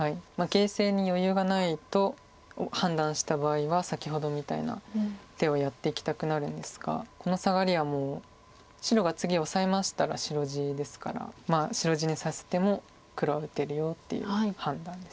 形勢に余裕がないと判断した場合は先ほどみたいな手をやっていきたくなるんですがこのサガリはもう白が次オサえましたら白地ですからまあ白地にさせても黒は打てるよっていう判断です。